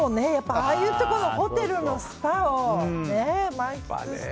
ああいうところのホテルのスパを満喫して。